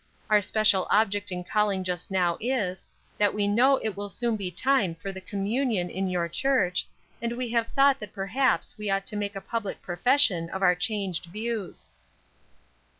Our special object in calling just now is, that we know it will soon be time for the communion in your church, and we have thought that perhaps we ought to make a public profession of our changed views."